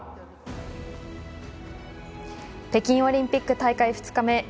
北京オリンピック大会２日目。